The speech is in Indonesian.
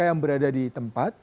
yang berada di tempat